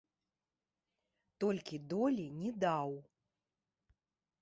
Толькі долі не даў.